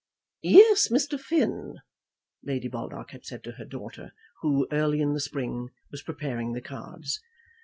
"Yes, Mr. Finn," Lady Baldock had said to her daughter, who, early in the spring, was preparing the cards.